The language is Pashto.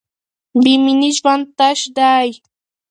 بې مینې ژوند تش دی.